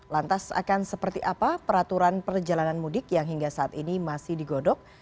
lantas akan seperti apa peraturan perjalanan mudik yang hingga saat ini masih digodok